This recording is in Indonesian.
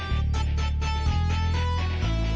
aku mau ke rumah